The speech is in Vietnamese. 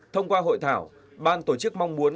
thông qua hội thảo ban tổ chức mong muốn